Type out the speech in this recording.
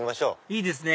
いいですね！